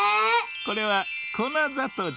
これはこなざとうじゃ。